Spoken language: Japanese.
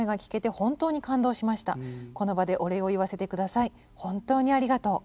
本当にありがとう」。